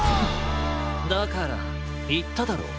だからいっただろう。